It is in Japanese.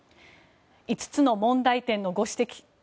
５つの問題点のご指摘